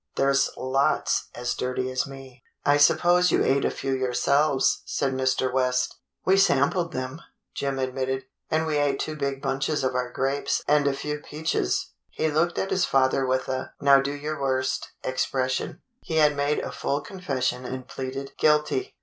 There's lots as dirty as me." "I suppose you ate a few yourselves," said Mr. West. "We sampled them," Jim admitted, "and we ate two big bunches of our grapes and a few peaches." He looked at his father with a "now do your worst" expression. He had made a full confession and pleaded "Guilty."